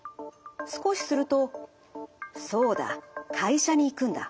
少しすると「そうだ会社に行くんだ。